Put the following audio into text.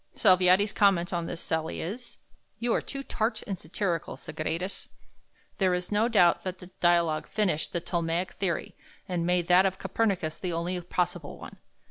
Salviati's comment on this sally is, "You are too tart and satyrical, Sagredus." There is no doubt that the "Dialogue" finished the Ptolemaic theory, and made that of Copernicus the only possible one.